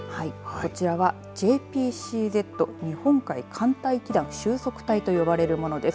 こちらはＪＰＣＺ日本海寒帯気団収束帯と呼ばれるものです。